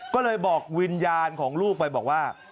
ก็เลยบอกวิญญาณของลูกไปบอกว่า